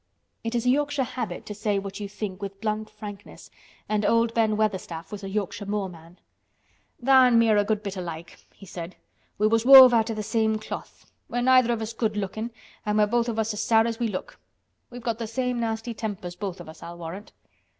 It is a Yorkshire habit to say what you think with blunt frankness, and old Ben Weatherstaff was a Yorkshire moor man. "Tha' an' me are a good bit alike," he said. "We was wove out of th' same cloth. We're neither of us good lookin' an' we're both of us as sour as we look. We've got the same nasty tempers, both of us, I'll warrant."